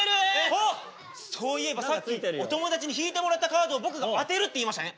あっそういえばさっきお友達に引いてもらったカードを僕が当てるって言いましたね。